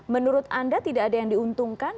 menurut anda tidak ada yang diuntungkan